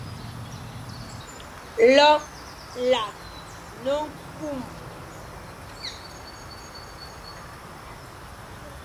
Loñ nlakh ne-koom.